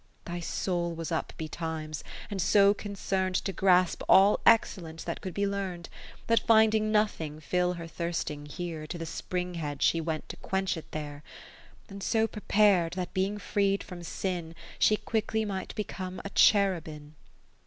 Thy soul was up betimes, and so concern'd To grasp all excellence that could be learn'd, 30 That finding nothing fill her thirsting here. To the spring head she went to quench it there ; And so prepar'd, that being freed from sin She quickly might become a Cherubin.